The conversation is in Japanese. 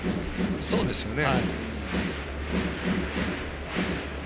そうですね。